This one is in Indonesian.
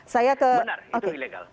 benar itu ilegal